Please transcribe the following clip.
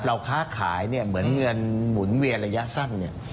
เราค้าขายเหมือนเงินหมุนเวละระยะสั้น